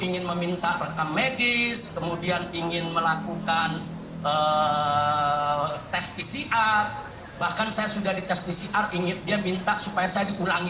ini membuat saya menjadi pengadilan